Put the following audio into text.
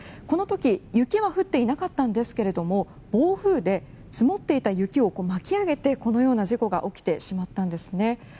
この時雪は降っていなかったんですが暴風で積もっていた雪を巻き上げてこのような事故が起きてしまったんですね。